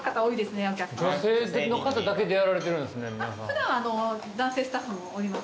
普段は男性スタッフもおります。